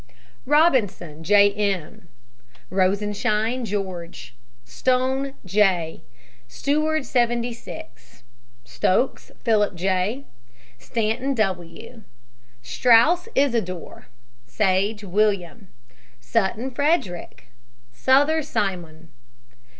ROBINSON, J. M. ROSENSHINE, GEORGE. STONE, J. STEWARD, 76. STOKES, PHILIP J. STANTON, W. STRAUS, ISIDOR. SAGE, WILLIAM. SHEA, . SUTTON, FREDERICK. SOTHER, SIMON.